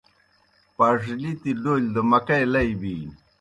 پاڙلِتیْ ڈولیْ دہ مکئی لئی بِینیْ۔